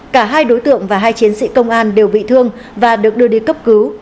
cả hai đối tượng và hai chiến sĩ công an đều bị thương và được đưa đi cấp cứu